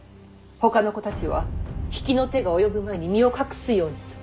ほかの子たちは比企の手が及ぶ前に身を隠すようにと。